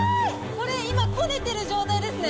これ、今、こねてる状態ですね。